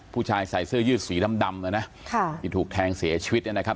ผู้ชายใส่เสื้อยืดสีดำดำนะนะค่ะที่ถูกแทงเสียชีวิตนะครับ